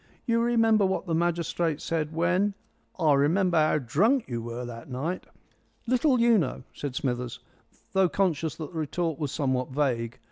You remember what the magistrate said when " "I remember how drunk you were that night." "Little you know!" said Smithers, though conscious that the retort was somewhat vague.